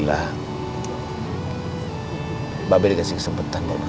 kamu jangan tinggalin aku